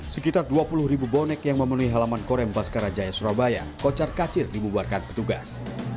sekitar dua puluh ribu bonek yang memenuhi halaman korem baskara jaya surabaya kocar kacir dibubarkan petugas